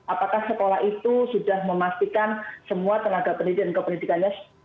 apakah sekolah itu sudah memastikan semua tenaga pendidik dan kependidikannya